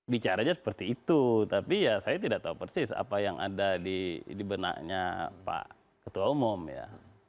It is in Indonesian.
bicaranya seperti itu tapi ya saya tidak tahu persis apa yang ada di benaknya pak ketua umum ya